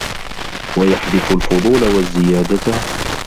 وَيَحْذِفُ الْفُضُولَ وَالزِّيَادَةَ